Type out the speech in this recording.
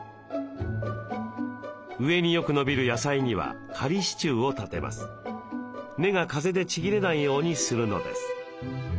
上によく伸びる野菜には仮支柱を立てます根が風でちぎれないようにするのです。